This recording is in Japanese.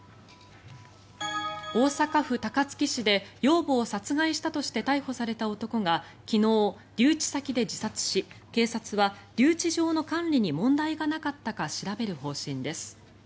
大阪府高槻市で養母を殺害したとして逮捕された男が昨日、留置先で自殺し警察は留置場の管理に問題がなかったか調べる方針です。